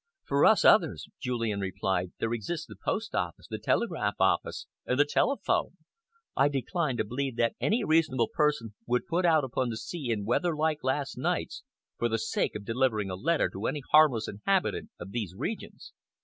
"For us others," Julian replied, "there exists the post office, the telegraph office and the telephone. I decline to believe that any reasonable person would put out upon the sea in weather like last night's for the sake of delivering a letter to any harmless inhabitant of these regions.